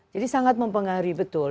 jadi sangat mempengaruhi betul